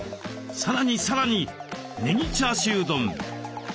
さらにさらにねぎチャーシュー丼。